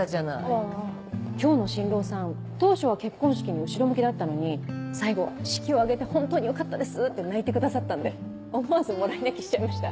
あぁ今日の新郎さん当初は結婚式に後ろ向きだったのに最後は「式を挙げて本当によかったです」って泣いてくださったんで思わずもらい泣きしちゃいました。